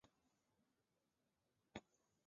字叔胄。